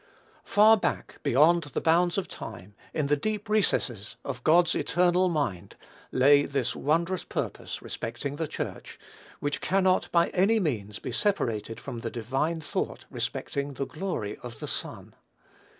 Far back, beyond the bounds of time, in the deep recesses of God's eternal mind, lay this wondrous purpose respecting the Church, which cannot, by any means, be separated from the divine thought respecting the glory of the Son.